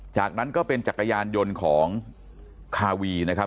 จากนั้นก็เป็นจักรยานยนต์ของคาวีนะครับ